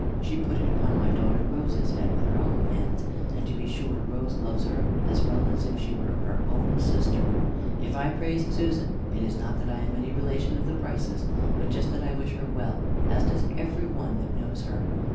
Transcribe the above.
She put it upon my daughter Rose's head with her own hands, and to be sure Rose loves her as well as if she were her own sister. If I praise Susan it is not that I am any relation of the Prices, but just that I wish her well, as does every one that knows her.